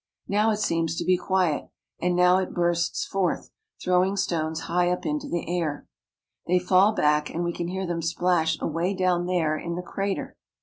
Now it seems to be quiet, and now it bursts forth, throwing stones high up into the air. They fall back, and we can hear them splash away down there in the crater.